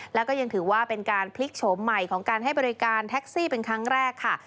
แล้วก็ยังถือว่าเป็นการพลิกโฉมใหม่ของการให้บริการแท็กซี่เป็นครั้งแรกค่ะ